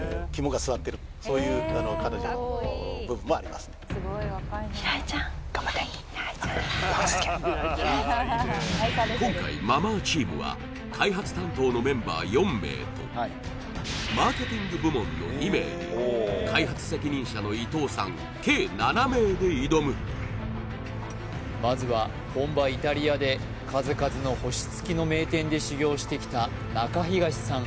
そういうあの彼女部分もありますね頑張って今回マ・マーチームは開発担当のメンバー４名との２名に開発責任者の伊藤さん計７名で挑むまずは本場イタリアで数々の星付きの名店で修業をしてきた中東さん